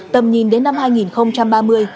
tầm nhìn đến năm hai nghìn ba mươi